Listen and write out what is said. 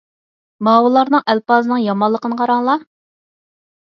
ماۋۇلارنىڭ ئەلپازىنىڭ يامانلىقىنى قاراڭلار.